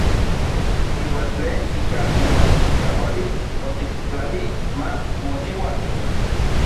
Iuan tlen ika momachikaualis otiktlalij ma mochiua.